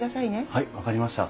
はい分かりました。